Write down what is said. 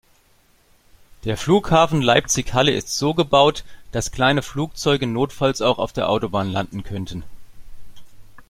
Der Flughafen Leipzig/Halle ist so gebaut, dass kleine Flugzeuge notfalls auch auf der Autobahn landen könnten.